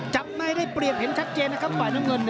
จับในได้เปรียบเห็นชัดเจนนะครับฝ่ายน้ำเงิน